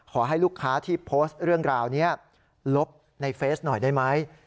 ขอให้ลูกค้าที่โพสต์เรื่องราวนี้ลบในเฟซหน่อยได้ไหม